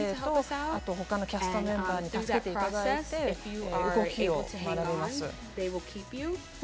先生と他のキャストのメンバーに助けていただいて学びます。